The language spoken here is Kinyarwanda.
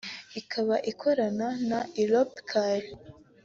ikaba ikorana na Europcar